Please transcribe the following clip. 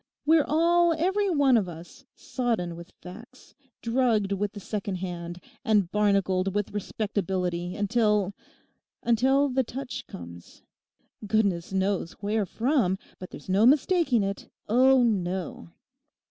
We're all, every one of us, sodden with facts, drugged with the second hand, and barnacled with respectability until—until the touch comes. Goodness knows where from; but there's no mistaking it; oh no!